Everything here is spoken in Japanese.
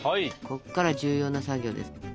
こっから重要な作業です。